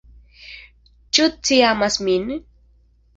Ĉu ci amas min?